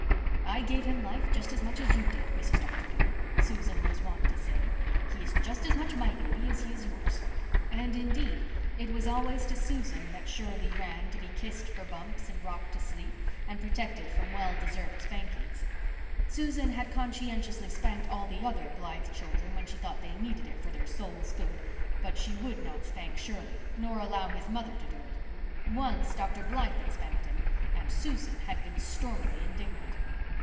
"I gave him life just as much as you did, Mrs. Dr. dear," Susan was wont to say. "He is just as much my baby as he is yours." And, indeed, it was always to Susan that Shirley ran, to be kissed for bumps, and rocked to sleep, and protected from well deserved spankings. Susan had conscientiously spanked all the other Blythe children when she thought they needed it for their souls' good, but she would not spank Shirley nor allow his mother to do it. Once, Dr. Blythe had spanked him and Susan had been stormily indignant.